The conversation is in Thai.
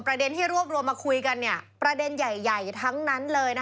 ประเด็นที่รวบรวมมาคุยกันประเด็นใหญ่ทั้งนั้นเลย